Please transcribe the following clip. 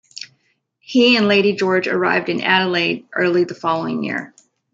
He and Lady George arrived in Adelaide early the following year.